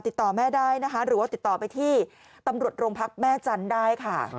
ติดต่อแม่ได้นะคะหรือว่าติดต่อไปที่ตำรวจโรงพักแม่จันทร์ได้ค่ะ